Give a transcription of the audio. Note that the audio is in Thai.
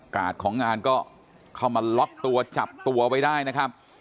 ของงานก็เข้ามาล็อกตัวจับตัวไว้ได้นะครับ